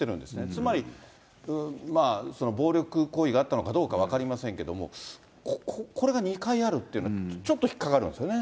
つまり、暴力行為があったのかどうか分かりませんけども、これが２回あるっていうのがちょっとひっかかるんですよね。